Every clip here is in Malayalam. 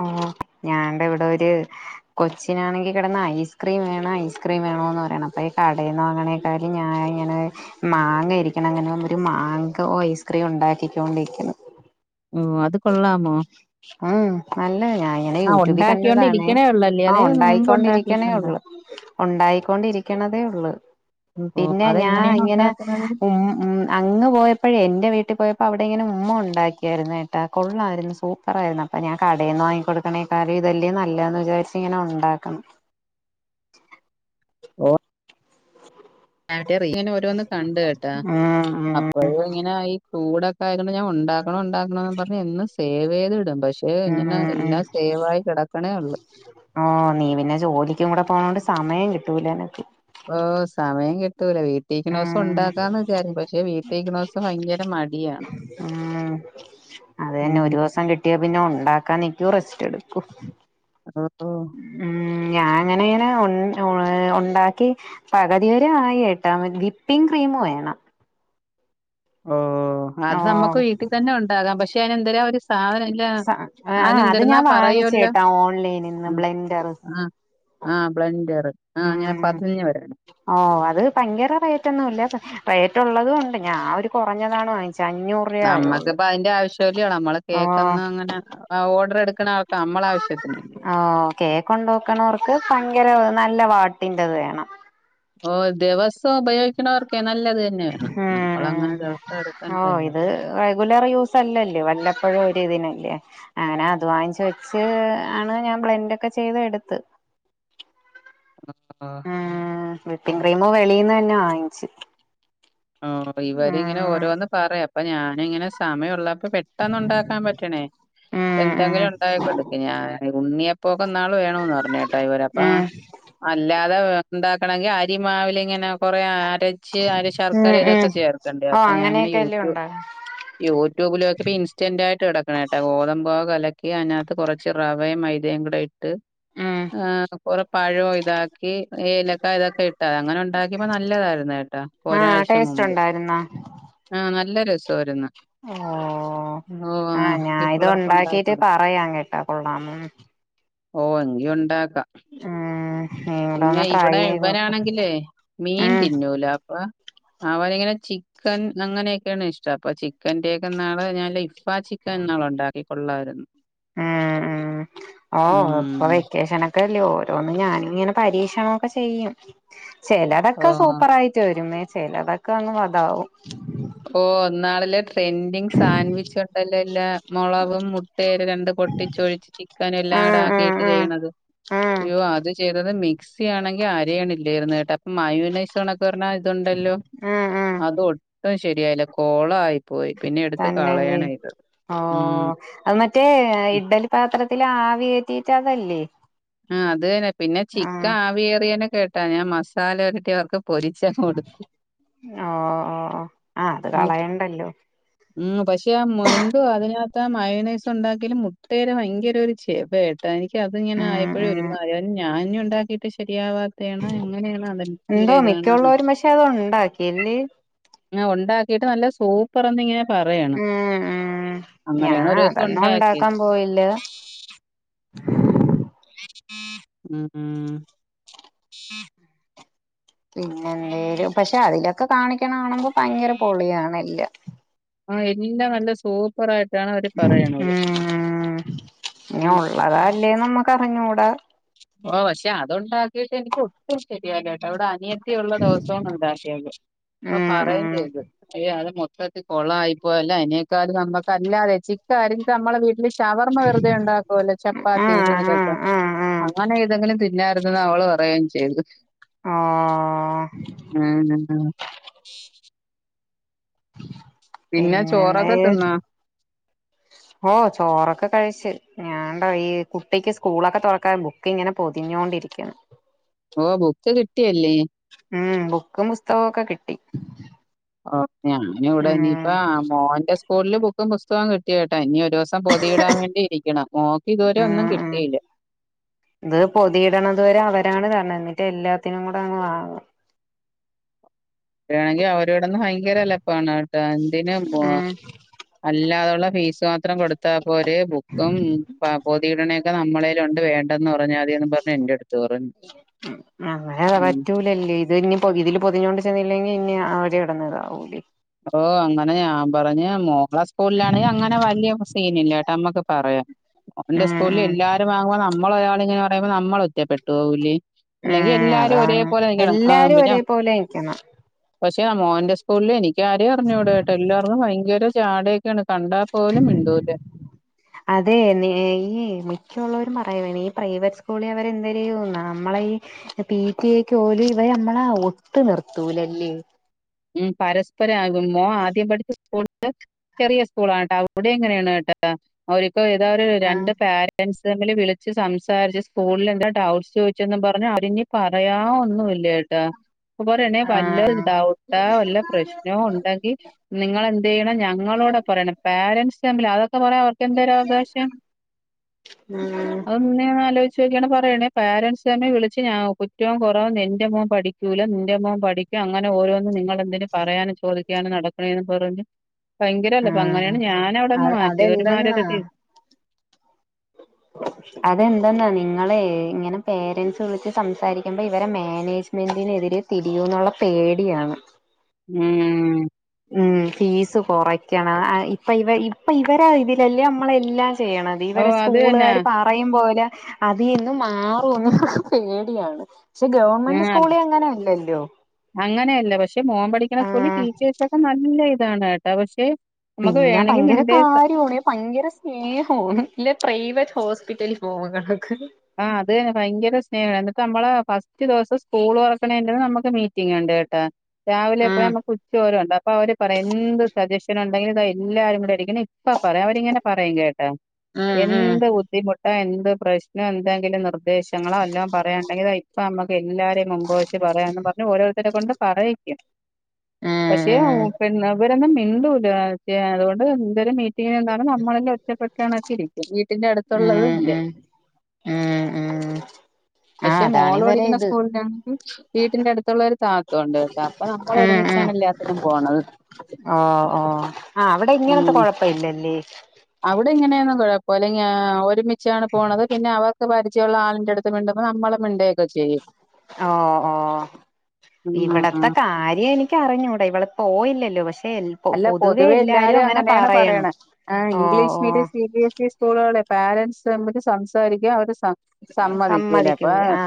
ഏ ഞാൻ ടാ ഇവിടൊര് കൊച്ചിനാണെങ്കി കെടന്ന് ഐസ് ക്രീം വേണം ഐസ് ക്രീം വേണോന്ന് പറയാണ്‌ അപ്പൊ ഈ കടൽന്നോങ്ങണേ കാട്ടി ഞായിങ്ങനെ മാങ്ങ ഇരിക്കണ്ങ്ങനെ ഒരു മാങ്ങക്ക്‌ ഐസ്ക്രീം ഉണ്ടാക്കിക്കോണ്ടിരിക്ക്ണ് ഓ അത് കൊള്ളാമോ ഉം നല്ല ഞാൻ ഇങ്ങനെ ആ യൂട്യൂബിൽ കണ്ടതാണേ ഒണ്ടാക്കിണ്ടിരിക്കണേ ഉള്ളല്ലേ ആഹ് അതേ മുമ്പ് ഉണ്ടായിക്കൊണ്ടിരിക്കണേ ഉണ്ടാക്കിയിട്ടുണ്ടോ ഉള്ളു [inaudible] ഉണ്ടായിക്കൊണ്ടിരിക്കണതേ ഉള്ളൂ ഓഹ് പിന്നെ ഞാൻ അതെങ്ങനെയാണ് ഇങ്ങനെ ഉണ്ടാക്കുന്നത്? ഉം ഉം അങ്ങ് പോയപ്പഴേ എൻ്റെ വീട്ടി പോയപ്പോ അവിടെ ഇങ്ങനെ ഉമ്മ ഒണ്ടാക്കിയായിരുന്നു കേട്ടാ കൊള്ളായിരുന്നു സുപ് പ്പെറായിരുന്നു അപ്പൊ ഞാൻ കടേന്ന് വാങ്ങികൊടുക്കണേക്കാലും ഇതെല്ലേ നല്ലതന്ന് വിചാരിച്ചി ഇങ്ങനെ ഉണ്ടാക്കണം ഓ [unintelligible] ഇങ്ങനെ ഓരോന്ന് കണ്ട് കേട്ടാ ഉം അപ്പോഴും ഇങ്ങനെ ആയി കൂട് ഒകെ [unintelligible] ഞാൻ ഉണ്ടാക്കണം ഉണ്ടാക്കണോന്നുംപറഞ്ഞ് എന്നും സേവെയ്തിടും പക്ഷെ ഏഹ് ഉം ഇങ്ങനെ ഉം ഉം എല്ലാം സേവായി കിടക്കണേ ഒള്ളു ഓഹ് നീ പിന്നെ ജോലിക്കും കൂടെ പോണോണ്ട് സമയം കിട്ടൂലെനക്ക് ഓഹ് സമയം കിട്ടൂല വീട്ടീക്കിണോസം ഉം ഉണ്ടാക്കാന്ന് വിചാരിക്കും പക്ഷേ വീട്ടീക്കണോസം ഭയങ്കര മ ഊം അതെന്നെ ഉം. ഒരൂവ്സം കിട്ട് പറ്റ്യാ പിന്നെ ഉണ്ടാക്കാൻ നിക്കും റെസ്റ്റെടുക്കും ഓഹ് ഓഹ് ഊം ഞാൻങ്ങനെങ്ങനെ ഉം ഉണ്ടാക്കി പകുതിവെരെ ആയികേട്ടോ വിപ്പിങ് ക്രീം വേണം ഓഹ് ഓ അത് നമുക്ക് വീട്ടി തന്നെ ഉണ്ടാകാം പക്ഷെ അയ്നെന്തെരാ ഒരു സാധനം ഇ ണ്ട് ആ അത് അയ്നെന്തിര്ന്നാ ഞാൻ പറയോല്ലോ വാങ്ങിച്ചേട്ടാ ഓൺലൈനിൽ നിന്ന് ഉം ബ്ലെൻഡർ ആഹ് ആഹ് ബ്ലൻഡർ ആഹ് ങ്ങനെ പതഞ്ഞ് വരണെ ഓഹ് അത് ഭയങ്കര റേറ്റൊന്നും ഇല്ല പ റേറ്റുള്ളതും ഉണ്ട് ഞാ ഒരു കുറഞ്ഞതാണ് വാങ്ങിച്ചെ അഞ്ഞൂ നമ്മക്കിപ്പ അതിന്റെ ആവശ്യംല്ല്യ നമ്മള് ഓ കേക്കന്നും അങ്ങനെ ഓർഡർ എടുക്ക്ണ ആൾ നമ്മളാവശ്യത്തിന് ഓഹ് കേക്ക്ഉണ്ടോക്കുണോർക്ക് ഭയങ്കര നല്ല വാട്ടിന്റത് വേണം ഓഹ് ദിവസം ഉപയോഗിക്കണവർക്കെ നല്ലത് തന്നെവേണം നമ്മളങ്ങനെ ദിവ ഉം സം ഓ എടുക്കണ്ടല്ലോ ഇത് റെഗുലർ യൂസല്ലല്ലോ വല്ലപ്പഴും ഒരിതിനല്ലേ അങ്ങനെ അത് വാങ്ങിച്ച് വെച്ച് ആണ് ഞാൻ ബ്ലെൻഡൊക്കെ ചെയ്ത് എടുത്ത് [unintelligible] ആഹ് വിപ്പിംഗ് ക്രീമ് വെളീന്നന്നെ വാങ്ങിച്ച് ഓഹ് ഇവരിങ്ങനെ ഉം ഓരോന്ന് പറയും അ പ്പൊ ഞാനിങ്ങനെ സമയുള്ള ഇപ്പൊ പെട്ടെന്ന് ഉണ്ടാക്കാം പറ്റണേ ഉം ഉം എന്തെങ്കിലും ഉണ്ടാക്കി കൊടുക്കു ഞാ ഉണ്ണിയപ്പ പ്പോക്കെ ന്നാള് വേണോന്ന് പർഞ്ഞേട്ടോ ഇവര് അപ്പോ ഉം അല്ലാതെ വെ ഉണ്ടാക്കണങ്കി അരിമാവിലിങ്ങനെ കൊറെ അരച്ച് അരി ശ ഉം ഉം ർകരെതൊക്കെ ചേർക്കണ്ടേ ഓ അപ്പൊ ഞാനിങ്ങനെ അങ്ങനെയൊക്കെല്ലേ യൂട്യൂ ഉണ്ടാ യൂട്യൂബിലൊക്കെപ്പ ഇൻസ്റ്റന്റ് ആയിട്ട് കിടക്കണേട്ടാ ഗോതമ്പോ കലക്കി അയ്നാത്ത് കൊറ ച്ച് റവയും മൈദയും കൂടെയി ട്ട് ഉം ഏഹ് കുറെ പഴോ ഇതാക്കി ഏലക്ക ഇതൊക്കെ ഇ അങ്ങനെ ഉണ്ടാക്കിയ്പ നല്ലതായിരുന്നു കേട്ടാ ഒരാഴ്ച മുമ്പ്. ട്ടുണ്ടായിരുന്ന ആഹ് നല്ല രസാരുന്നു ഓഹ് ആഹ് ഈ ഞാഇത് പിള്ളേർക്ക് ഉണ്ടാക്കി ഉണ്ടാക്കീട്ട് കൊടുക്കും. പറയാൻ കേട്ടാ കൊള്ളാമോന്ന് ഓഹ് എങ്കി ഉണ്ടാക്ക ഉം നീ കൂടെ ഒന്ന് പിന്നെ ട്രൈ ഇവിടെ ചെയ്ത് നോക്ക് ഇവരാണെങ്കിലേ മീൻ ഉം തിന്നൂല അപ്പ അവനിങ്ങനെ ചിക്കൻ അങ്ങനെയൊക്കെയാണ് ഇഷ്ടം അപ്പൊ ചിക്കന്റെയൊക്കെ ന്നാളെ ഞാ ലെയ് ഇഫാചിക്കൻ ന്നാളുണ്ടാക്കി കൊള്ളായ്രുന്നു ആഹ് ഉം ഓഹ് ഇപ്പൊ ഉം. വെക്കേഷന ത്തല്യോ ഓരോന്ന് ഞാനിങ്ങനെ പരീക്ഷണോക്കെ ചെയ്യും. ചെലതൊക്കെ ഓഹ് സൂപ്പർ ആയിട്ട് വരുന്നേ ചിലതൊക്കെ ഒന്ന് അതാവും ഓഹ് ന്നാളിലേ ട്രി ട്രന്റിങ് സാൻവിച്ച് ഉണ്ടല്ലല്ലെല്ലാം മൊളകും മുട്ടേം രണ്ട് പൊട്ടിച്ചൊഴിച്ച് ചി ക്കാനും എല്ലാംടെ ഉം ഉം ആക്കിയിട്ട് ഉം ചെയ്യണത് ഉം അയ്യോ അത് ചെയ്തത് മി ക്സി ആണെങ്കി ആരെയിണില്ലേര്ന്ന് കേട്ടോ അപ്പൊ മയൂനൈസോണൊക്കെ പറഞ്ഞ ഇതുണ്ടല്ലോ ഉം ഉം അത് ഒട്ടും ശരിയായില്ല കോളായി പോയി പിന്നെ എടുത്ത് തന്നെല്ലേ കളയണയിത് ഓ ഉം അത് മറ്റേ ഇഡ്ഡലി പാത്രത്തിലാവി കേറ്റിട്ടതല്ലേ ആഹ് അത് തന്നെ പിന്നെ ചിക്ക ആവിയേറിയെന്നെ കേട്ടാ ഞാൻ മസാല പൊരട്ടിയവർക്ക് പൊരിച്ചങ്ങു കൊടുത്ത് ഓ ഓ ഓ ആ അത് ഉം കളയണ്ടല്ലോ ഉം പക്ഷെ ആഹ് മെന്ത്വ്യാ അതിനകത്ത് മയനൈസുണ്ടാക്കിലും മുട്ടേടെ ഭയങ്കര ഒരു ചെവയണ് ട്ടാ എനിക്ക് അത് ഇങ്ങനെ ഉം ആയപ്പഴെ ഉം ഒരു മയം ഞാഞ്ഞി ഉണ്ടാക്കിയിട്ട് ശരിയാവാ ത്തെയാണോ എങ്ങനെയണോ അതെനി എന്തോ തീരെ ഇതാണ് മിക്കുള്ളവരും പക്ഷെ അത് ഉണ്ടാക്കിയല്ലേ ആഹ് ഉണ്ടാക്കിയിട്ട് നല്ല സൂ പ്പറെന്നിങ്ങനെ പറയണ് ഉം ഉം ഞാൻ അങ്ങനെയാണ് ഒരോസം അതൊന്നും ഉണ്ടാക്കിയത്. ഉണ്ടാക്കാൻ പോയില്ല ഉം ഉം പിന്നെ എന്തേര് പക്ഷെ അതിലൊക്കെ കാണിക്കണ് കാണുമ്പോ ഭയങ്കര പൊളിയാണ് ആഹ് എല്ലാം നല്ല സൂപ് പ്പറായിട്ടാണ് അവര് പറയണത് ഉം ആഹ്. അല്ലേ നമ്മക്ക് അറിഞ്ഞൂടാ? ഓഹ് പക്ഷെ അതുണ്ടാക്കിട്ട് എനിക്കൊ അത് ശരിയാണ് കേട്ടോ ഇവിടെ അനിയത്തി ഉള്ള ദിവസോ ണുണ്ടാക്കിയത്. അപ്പൊ ഉം പറയും ഉം ചെയ്തു അയ്യ അത് മൊത്തത് കോളായിപ്പോയല്ലേ അതിനെക്കാളും നമ്മുക്കല്ലാതെ ചിക്കാരിക്ക നമ്മളെ വീട്ടി പിന്നെ ശവർമ്മ വെറുതെ ഉണ്ടാക്കുവല്ലോ ചപ്പാത്തി ആഹ് ആഹ് ഇലോട്ചേർത്ത് ആഹ് ആഹ് അങ്ങനെ ഏതെങ്കിലും തിന്നായിരുന്നുന്ന് അവള് പറയേം ചെയ്തു. ആഹ്. ഉം ഉം. പിന്നെ ചോറൊക്കെ പിന്നെന്തായി തിന്നാ? ഓഹ് ചോറൊക്കെ കഴിച്ച്. ഞാൻണ്ടായെ കുട്ടിക്ക് സ്കൂളൊക്കെ തുറക്കാൻ ബുക്ക് ഇങ്ങനെ പൊതിഞ്ഞോണ്ടിരികാണ്. ഓഹ് ബുക്ക്‌ കിട്ടിയല്ലേ? ഉം ബുക്കും പുസ്തകൊക്കെ കിട്ടി. ഓഹ് ഉം ഞാനിവിടെനിപ്പോ മോന്റെ സ്കൂള്ള് ബുക്കും പുസ്തകോം കിട്ടി കേട്ടാ ഇനി ഒരു സ സം പൊതിയിടാൻ വേണ്ടിയിരിക്കണ് മോക്ക് ഇതുവരെ ഒന്നും ഉം ഉം കിട്ടിയില്ല. ഇത് പൊതിയിടണതു വരെ അവരാണ് കാരണം എന്നിട്ട് എല്ലാത്തിനും കൂടെ അങ്ങ് വാങ്ങണം. ടെയാണെങ്കി അവര് കിടന്ന് ഭയങ്കര എലപ്പാണ് കേട്ടോ എന്തിനാണപോ. ഉം അല്ലാതൊള്ള ഫീസ് മാത്രം കൊടുത്തപ്പോരെ ബുക്കും പ പൊതിഇടനെ ക്കെ നമ്മടെലുണ്ട് വേണ്ടന്ന് പറഞ്ഞാതിന്ന് പറഞ്ഞു എന്റെടത് പറഞ്ഞു അങ്ങനെ ഉം. പറ്റൂലല്ലേ ഇത് ഇനി ഇതില് പൊതിഞ്ഞോണ്ട് ചെന്നില്ലെങ്കിൽ ഇനി അവര്കിടന്ന് താവുലെ. അപ്പോ അങ്ങനെ ഞാൻ പറഞ്ഞ് മോളെ സ്കൂളിലാണെ അങ്ങനെ വലിയ സീനില്ല ട്ടാ നമ്മക്ക്. പറയാം മോന്റെ ഉം സ്കൂളിൽ ഉം എല്ലാരും വാങ്ങുമ്പോ നമ്മള് ഒരാളിങ്ങനെ പറയുമ്പോൾ നമ്മള് ഒറ്റപ്പെട്ടുപോവുലെ. അല്ലെങ്കി ഉം എല്ലാരും അതാണ് ഒരേപോലെ നിക്കണം ആഹ് എല്ലാരും പിന്നെം ഒരേപോലെ നിക്കണം പക്ഷെ മോന്റെ സ്കൂളില് എനിക്ക് ആരേ അറിഞ്ഞൂടാ കേട്ടോ എല്ലാർക്കും ഭയങ്കര ജാടയൊക്കെയാണ് കണ്ടാ പോലും മിണ്ടുല. അതെ നീ ഈ മിക്കിയുള്ളോരും പറയുന്നെയാണ് ഈ പ്രൈവറ്റ് സ്കൂളിൽ അവരെ എന്തോരു ന നമ്മയി പി ട്ടി എ ക്ക് ഓല് ഇവ നമ്മളെ ഒട്ടു നിർത്തൂലല്ലേ. ഉം പരസ്പരാകും മോ ആദ്യം പഠിച്ച സ്കൂള് ചെറിയ സ്കൂളാണ് കേട്ടോ അവിടെ ഇങ്ങനെയാണ് കേട്ടോ. അവര്ക് ഏതാ ഒരു രണ്ട് ആഹ് പേരെന്റ്സ് തമ്മില് വിളി ളിച്ചു സംസാരിച്ച് സ്കൂളിൽ എന്തോ ഡൗട്ട്സ് ചോദിച്ചെന്നു പറഞ്ഞ് അവരിഞ്ഞി പറയാ ഒന്നുല്ലാ കേട്ടോ അതുപോലെനി വല്ല ആഹ് ഡൗട്ടാ വല്ല പ്രശ്നോ ഉണ്ടെങ്കിൽ നിങ്ങളെന്തയ്യണോം ഞങ്ങളോട് പറയണം പാരൻറ്സ് തമ്മിൽ അതൊക്കെ പറയാ എന്തൊരു അവകാശം. ആഹ് അതന്നാ ഞാനാലോയ്ചോക്കിയ പറയണേ പാരൻറ്സ് തമ്മിൽ വിളിച്ച് ആ കുറ്റവും കുറവ് എന്റെ മോൻ പഠി കൂല നിന്റെമോൻ പഠിക്കും അങ്ങനെ ഓരോന്നും നിങ്ങളെന്തിന് പറയാനും ചോദിക്കാനും നടക്ക്‌ണെന്നും പറഞ്ഞ് ഭയങ്കരല്ല അപ്പൊ ആഹ് അങ്ങനെയാണ് ഞാനവിടുന്നു അത് മാറ്റിയെ ഒരുമാരി അതെന്തെന്നാ അതെന്തെന്നാ നിങ്ങള് ഇങ്ങനെ പേരൻറ്സ് വിളിച്ച് സംസാരിക്കുമ്പോ ഇവരെ മേനേജ് മെന്റിനെതിരെ തിരിയൂന്നുള്ള പേടിയാണ് ഉം. ഉം ഫീസ് കുറയ്ക്കണം ഇപ്പ ഇവ ഇപ്പ ഇവരെ ഇതിലല്ലേ നമ്മളെ എല്ലാം ചെയ്യണത് ഓ ഇവരെ അത് സ്കൂള് തന്നെ കാര് പറയും പോലെ അതിന്ന് മാറൂന്ന പേടിയാണ് പക്ഷെ ഉം ഗവൺമെന്റ് അത് സ്കൂള് അങ്ങനെ അല്ലല്ലോ അങ്ങനെയല്ല പക്ഷെ മോൻ പഠിക്കുന്ന ആ സ്കൂളിൽ ടീച്ചേഴ്സൊക്കെ നല്ല ഇതാണ് കേട്ടാ പക്ഷെ നമുക്ക് പിന്നെ വേണമെങ്കിൽ ഭയങ്കര മിണ്ടേ സ- കാര്യാണ ഭയങ്കര ഏ ഹോ വല്ല്യ പ്രൈവറ്റ് ഹോസ്പിറ്റൽ പോവു [unintelligible] ആഹ് അത് തന്നെ ഭയങ്കര സ്നേഹമാണ് എന്നിട്ട് നമ്മളെ ഫസ്റ്റ് ദിവസം സ്കൂൾ തുറക്കണ നമുക്ക് മീറ്റിംഗ് ഉണ്ട് കേട്ടാ രാവിലെ ഉം പോയാൽ നമുക്ക് ഉച്ചോരം ഉണ്ട് അപ്പൊ അവര് പറയാ എന്ത് സജഷന് ഉണ്ടെങ്കില് ഇത് എല്ലാരും കൂടെ ഇരിക്ക്ണ് അപ്പാ പറയാം അവരിങ്ങനെ പറയും കേട്ടാ ഉം ഉം എന്ത് ബുദ്ധിമുട്ടാ എന്ത് പ്രശ് എന്തെങ്കിലും നിർദ്ദേശങ്ങളോ എല്ലാം പറയാണ്ടെങ്കിൽ ഇപ്പൊ നമുക്ക് എല്ലാരും മുൻപ് വെച്ച് പറയാം ന്ന് പറ പിന്നെ ഓരോരുത്തരെ കൊണ്ട് പറയിക്കും ഉം പക്ഷെ പി ഇവരെന്നും മിണ്ടൂല്ല അതുകൊണ്ട് എന്തൊരു മീറ്റി എന്താണ് നമ്മളല്ലാം ഒറ്റപ്പെട്ടാണ് ഇരിക്ക വീട്ടന്റെ അടുത്ത് ഏഹ് ഏഹ് ഏ ഏ പക്ഷെ മോള് പഠിക്കുന്ന സ്കൂളിലാണെങ്കിൽ വീട്ടിന്റെ അടുത്തുള്ള ഒരു താത്ത ഉണ്ട് താ അപ്പൊ നമ്മള ഉം ഉം ഒരുമിച്ചാണ് എല്ലാത്തിനും പോണത് ഓ ഓ ആ അവിടെ ഇങ്ങനത്തെ ഉം കൊഴപ്പ ഇല്ലല്ലേ അവിടെ ഇങ്ങനെയൊന്നും കുഴപ്പോ അല്ലെങ്കി ഒരുമിച്ചാണ് പോണത് പിന്നെ അവർക്ക് പരിജയമുള്ള ആളിന്റെ അടുത്ത് മിണ്ടുമ്പോ നമ്മളും മിണ്ടും ഒക്കെ ചെയ്യും ഓ ഓ ഇവിടത്തെ ഉം കാര്യ എനി എനിക്ക് അറിഞ്ഞൂടാ ഇവള് പോയില്ലല്ലോ പക്ഷെ അല്ല പൊതുവെ പൊതുവേ എല്ലാരും അങ്ങനെ അങ്ങനെയാണ് പറയണ് പറയണത് ഓ ഇംഗ്ലീഷ് ഓ medium C B S E സ് സ്കൂളുകളെ പാരൻസ് തമ്മിൽ സംസാരിക്കുക അവര് സമ്മതിക്കൂലേ അപ്പൊ സമ്മതിക്കൂല ആ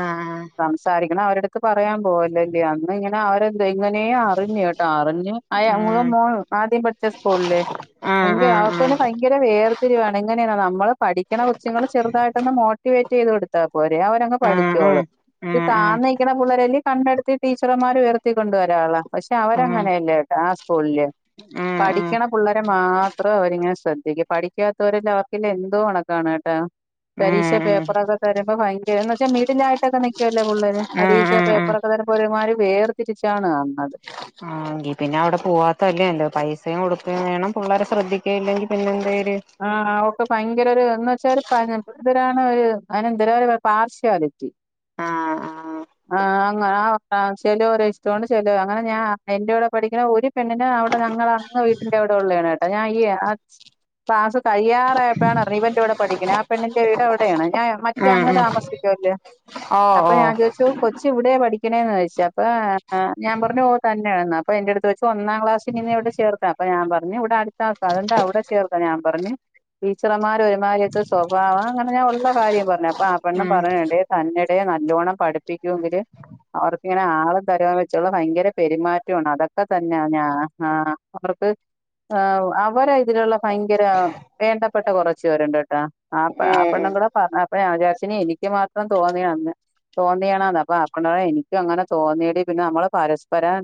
സാരിക്കണം അവരടുത്ത് പറയാൻ പോവല്ലല്ലേ അന്ന് ഇങ്ങനെ അവരെ എങ്ങനെയ അറിഞ്ഞു കേട്ടോ അറിഞ്ഞു അ ഉം മോൾ ആദ്യം പഠിച്ച സ്കൂളില് ആ ആ ആ [unintelligible] അന് ഭയങ്കര വേർതിരിവാണ് ഇങ്ങനെയ നമ്മള് പഠിക്കുന്ന കുച്ചുങ്ങള്ചെറുതായിട്ടൊന്ന് മോട്ടിവേറ്റ് ചെയ്ത് കൊടു പോരേ അവരങ്ങ് ആ ആ ആ ആ ഉം പഠിച്ചോളു ഉം ഇത് ഉം താഴ്ന്ന് നിക്ക്ണ പിള്ളരെല് കണ്ടെടുത്തി ടീച്ചർമാർ ഉയർത്തി ക്കൊണ്ട് വരാറുള്ള പക്ഷെ അവരങ്ങനെയല്ലേട്ട ആ സ്കൂളില് ആഹ് പഠിക്കണേ പിള്ളേരെ മാത്രം അവര് ഇങ്ങനെ ശ്രദ്ധിക്കും, പഠിക്കാത്തവർക്ക് എല്ലാം അവർക്കില്ലേ എന്തോ കണക്കാണ് കേട്ടോ. പരീക്ഷ ഉം പേപ്പർ ഒക്കെ തരുമ്പോ ഭയങ്കര എന്നുവെച്ചാൽ മിഡിൽ ആയിട്ട് ഒക്കെ നിക്കുവല്ലോ പുള്ളേര്, പരീക്ഷ ഉം ഉം പേപ്പർ ഒക്കെ തരുമ്പോ. ഒരുമാതിരി വേർതിരിച്ചാണ് കാണുന്നത്. ആഹ് എങ്കിൽ പിന്നെ അവിടെ പോവാത്തത് അല്ലേ നല്ലത് പൈസയും കൊടുക്കയും വേണം പുള്ളാരെ ശ്രദ്ധിക്കുകയില്ലെങ്കിൽ പിന്നെ എന്തേലും. ആഹ് അവൾക്ക് ഭയങ്കര ഒരു എന്ന് വെച്ചാല് ഒരു പനം എന്തോരാണ് ഒരു അയിന് എന്തരോ ഒരു പ പാഷ്വാലിറ്റി. ആ ആ ആഹ് ആഹ് ആഹ് ചെലവരുടെ ഇഷ്ടാണ് ചെല അങ്ങനെ ഞാൻ എന്റെ കൂടെ പഠിക്കുന്ന ഒരു പെണ്ണിന് അവിടെ ഞങ്ങള് അങ്ങ് വീട്ടി ട്ടിന്റെ അവിടെ ഉള്ളയാണ് കേട്ടോ, ഞൻ ഈ ആഹ്. ക്ലാസ് കഴിയാറായി അപ്പോഴാണ് അറിഞ്ഞ്, ഇവന്റെ കൂടെ പഠിക്കേണ് ആഹ് പെണ്ണിന്റെ വീട് അവിടെ ആണ്, ഞാൻ മറ്റേ ഉം അങ്ങ് ഉം താമസിക്കുവല്ലേ. ഓ അപ്പ ഓ ഞാൻ ചോദിച്ചു കൊ ച്ച് ഇവിടെയാ പഠിക്കണേന്ന് ചോദിച്ച അപ്പൊ ഏഹ് ഞാൻ പറഞ്ഞു ഓഹ് തന്നെയെന്ന് അപ്പൊ എന്റെ അടുത്ത് ചോദിച്ചു, ഒന്നാം ക്ലാസിൽ നിന്ന് ഇവിടെ ചേർ അപ്പ ഞൻ പറഞ്ഞു ഇവിടെ അടുത്ത് ആക്കാം, അതോണ്ട് അവിടെ ചേർക്കാ ഞാൻ പറഞ്ഞു. ടീച്ചർമാർ ഒരുമാതിരി ഒക്കെ സ്വഭാവം അങ്ങനെ ഞാൻ ഉള്ള കാര്യം പറഞ്ഞു, അപ്പ ആഹ് പെണ്ണും ഉം പറയേണ്ടേ. തന്നട നല്ലോണം പഠിപ്പിക്കുമെങ്കില്. അവർക്ക് ഇങ്ങനെ ആളും തരാന്ന് വെച്ചുള്ള ഭയങ്കര പെരുമാറ്റമാണ് അതൊക്കെ തന്നെയാ ഞാ ആഹ്. അവർക്ക് ആഹ് അവരെ ഇതിലുള്ള ഭയങ്കര. വേണ്ടപ്പെട്ട കുറച്ചു പേരുണ്ട് കേട്ടോ ആഹ് പ ഉം ആഹ് പെണ്ണ് ഉം എന്നോട് പറഞ്ഞപ്പോളാ ഞാൻ വിചാരിച്ചുനി എനിക്ക് മാത്രം തോന്നിയത് അല്ല. തോന്നിയതായെന്ന് പറഞ്ഞമ്പോ ആഹ് പെണ്ണ് പറയുക എനിക്കും അങ്ങനെ തോന്നിയടി പിന്നെ നമ്മൾ പരസ്പരം.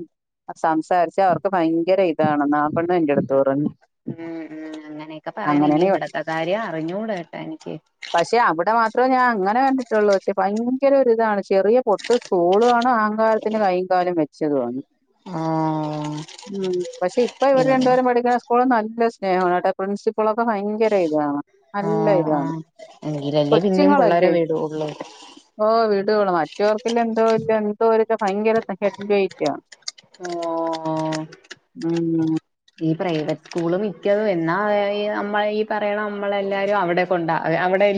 സംസാരിച്ചാൽ അവർക്ക് ഭയങ്കര ഇതാണ് എന്ന് ആഹ് പെണ്ണ് എന്റെ അടുത്ത് പറഞ്ഞു. ഉം ഉം അങ്ങനെയൊക്കെ പറയുന്നു ഇനി അങ്ങനെയാണെ ഇവിടുത്തെ കാര്യം അറിഞ്ഞൂടാ കേട്ടോ എനിക്ക്. പക്ഷെ അവിടെ മാത്രമേ ഞാൻ അങ്ങനെ കണ്ടിട്ടുള്ളൂ, പക്ഷേ ഭയങ്കര ഒരു ഇതാണ് ചെറിയ പൊട്ട്. കൂളും ആണ് അഹങ്കാരത്തിന് കയ്യും കാലും വെച്ചതുവാണ്. ആഹ് ഉം പക്ഷെ ഇപ്പ ഇവ ഇവര് രണ്ടുപേരും പഠിക്കുന്ന സ്കൂള് നല്ല സ് സ്നേഹം ആട്ടെ പ്രിൻസിപ്പൽ ഒക്കെ ഭയങ്കര ഇതാണ്, നല്ല ഇതാണ്. എങ്കിൽ അല്ലേ പിന്നെ പിള്ളാരെ വിടുള്ളൂ. ഓഹ് വിടുള്ളൂ മറ്റവർക്ക് ഇനി എന്തോ വല്ല്യ എന്തോരു ഭയങ്കര ഹെഡ് വെയ്റ്റാ. ആഹ് ഉം ഈ പ്രൈവറ്റ് സ്കൂള് മിക്കതും എന്നാ നമ്മള് ഈ പറയണ നമ്മളെല്ലാരും അവിടെ കൊണ്ടാെ അവിടെ.